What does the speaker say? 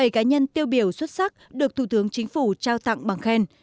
bảy cá nhân tiêu biểu xuất sắc được thủ tướng chính phủ trao tặng bằng khen